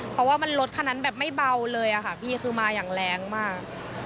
เพราะว่ามันรถคันนั้นแบบไม่เบาเลยค่ะพี่คือมาอย่างแรงมาก